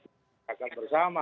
kita lakukan bersama